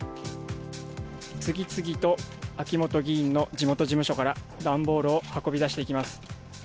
次々と秋本議員の地元事務所から段ボールを運び出しています。